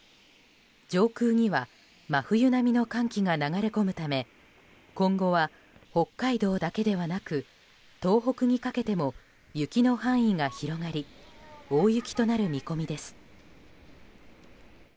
上空には真冬並みの寒気が流れ込むため今後は北海道だけではなく東北にかけても雪の範囲が広がり大雪となる見込みです。